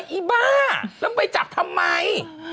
อ๊ออีบ้านางไปจับทำไม